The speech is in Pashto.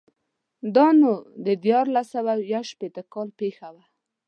دا نو دیارلس سوه یو شپېتو کال پېښه وه.